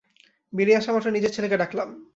বেরিয়ে আসামাত্রই নিজের ছেলেকে ডাকলাম।